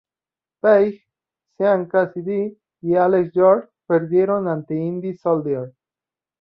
Page, Sean Cassidy y Alex York perdieron ante Indy Soldier.